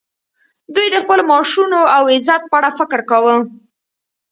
دوی د خپلو معاشونو او عزت په اړه فکر کاوه